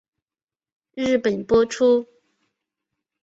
日本播出。